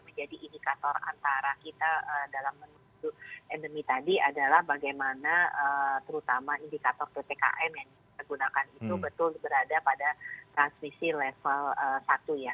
menjadi indikator antara kita dalam menuju endemi tadi adalah bagaimana terutama indikator ppkm yang kita gunakan itu betul berada pada transmisi level satu ya